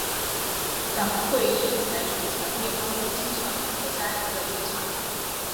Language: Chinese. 党会议采取强烈帮助青少年和家庭的立场。